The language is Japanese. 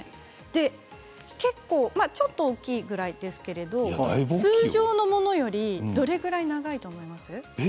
ちょっと大きいぐらいですけれども通常のものより、どれくらい長いと思いますか。